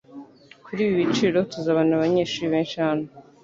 Kuri ibi biciro, ntuzabona abanyeshuri benshi hano.